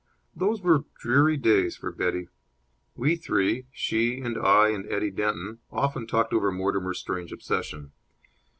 Those were dreary days for Betty. We three she and I and Eddie Denton often talked over Mortimer's strange obsession.